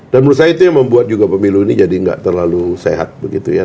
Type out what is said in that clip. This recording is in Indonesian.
dan menurut saya itu yang membuat juga pemiluni jadi enggak terlalu sehat begitu ya